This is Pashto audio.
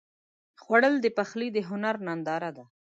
خوړل د پخلي د هنر ننداره ده